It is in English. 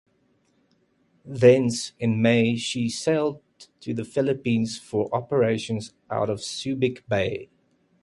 Thence, in May she sailed to the Philippines for operations out of Subic Bay.